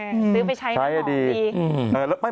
ซื้อไปใช้๒ปี